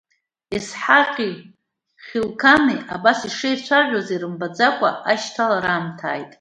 Есҳаҟи Хьылқани абас ишеицәажәоз, ирымбаӡакәа ашь-ҭалара аамҭа ааит.